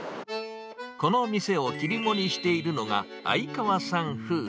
この店を切り盛りしているのが、相川さん夫婦。